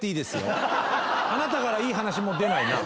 あなたからいい話出ないな。